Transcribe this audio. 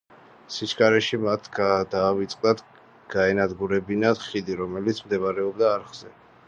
სიჩქარეში მათ დაავიწყდათ გაენადგურებინა ხიდი, რომელიც მდებარეობდა არხზე.